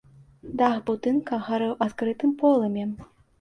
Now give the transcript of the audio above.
Дах будынка гарэў адкрытым полымем.